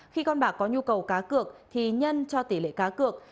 khi con bạc có nhu cầu cá cược thì nhân cho tỷ lệ cá cược